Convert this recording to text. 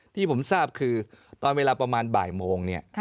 ที่ผมทราบคือตอนเวลาประมาณบ่ายโมงเนี่ย